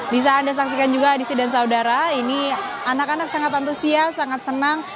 bisa anda saksikan juga adisi dan saudara ini anak anak sangat antusias sangat senang